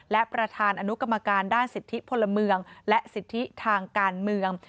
และประธานอนุกรรมการด้านสิทธิพลเมืองและสิทธิทางการเมือง